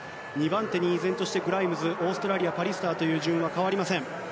２番手に依然としてグライムズでオーストラリアのパリスターという順位は変わりません。